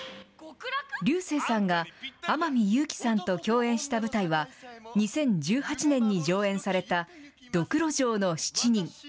竜星さんが、天海祐希さんと共演した舞台は、２０１８年に上演された、髑髏城の七人。